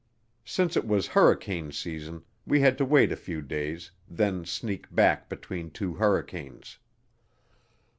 Since it was hurricane season, we had to wait a few days, then sneak back between two hurricanes.